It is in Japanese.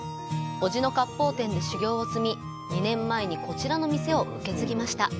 おじの割烹店で修業を積み２年前にこちらの店を受け継ぎました。